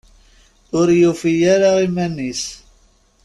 Ur yufi ara iman-is.